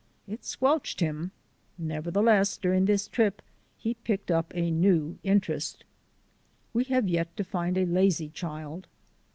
It squelched him. Nevertheless, during this trip he picked up a new interest. We have yet to find a lazy child.